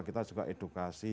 kita juga edukasi